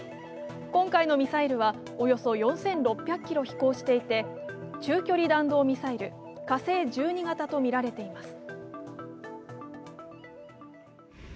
今回のミサイルはおよそ４６００ｋｍ飛行していて中距離弾道ミサイル「火星１２型」とみられています。